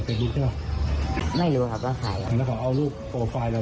กี่คนคนร้าย